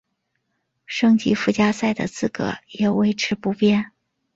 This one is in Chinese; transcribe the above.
升级附加赛的资格也维持不变。